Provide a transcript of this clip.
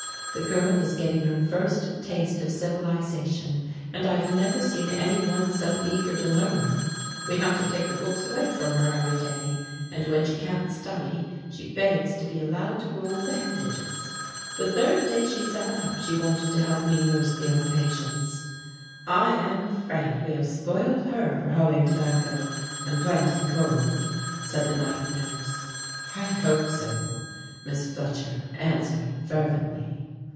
The girl is getting her first taste of civilization, and I've never seen anyone so eager to learn. We have to take the books away from her every day, and when she can't study she begs to be allowed to roll bandages. The third day she sat up she wanted to help nurse the other patients. "I am afraid we have spoiled her for hoeing tobacco, and planting corn," said the night nurse. "I hope so," Miss Fletcher answered fervently.